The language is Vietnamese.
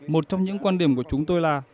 một trong những quan điểm của chúng tôi là